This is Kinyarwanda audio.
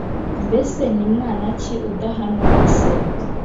Mbese ni mwana ki udahanwa na se?